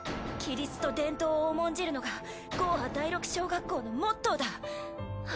規律と伝統を重んじるのがゴーハ第６小学校のモットーだ。